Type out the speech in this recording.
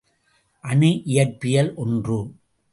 அணு இயற்பியல் ஒன்று.